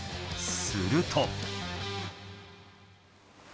すると。